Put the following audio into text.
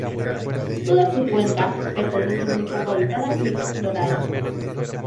Toda su cuenca pertenece muy poco habitada y explorada.